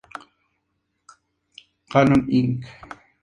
Canon Inc.